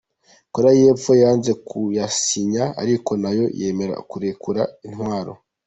Korea y’epfo yanze kuyasinya ariko nayo yemera kurekura intwaro.